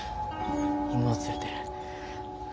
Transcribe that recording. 犬を連れてる。